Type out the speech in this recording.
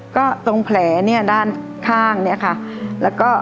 ก็ตรงแผลเนี่ยด้านข้างเนี่ยค่ะ